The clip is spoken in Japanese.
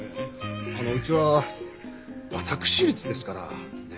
うちは私立ですからね